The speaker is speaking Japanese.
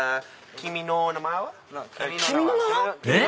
『君の名は。』